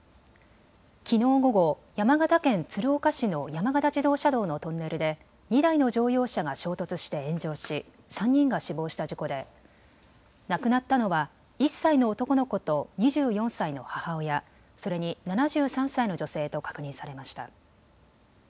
きのう午後、山形県鶴岡市の山形自動車道のトンネルで２台の乗用車が衝突して炎上し３人が死亡した事故で亡くなったのは１歳の男の子と２４歳の母親、それに７３歳の女性と確認されました。